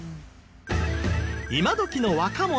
今どきの若者